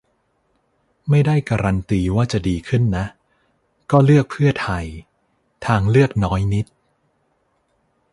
ไม่ได้การันตีว่าจะดีขึ้นนะ ก็เลือกเพื่อไทย; ทางเลือกน้อยนิด